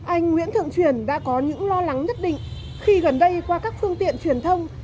anh nguyễn thượng truyền đã có những lo lắng nhất định khi gần đây qua các phương tiện truyền thông